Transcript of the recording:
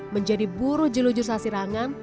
menjadi buru jelujur sasirangan